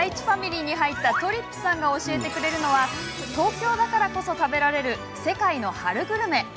ファミリーに入ったとりっぷさんが教えてくれるのは東京だからこそ食べられる世界の春グルメ。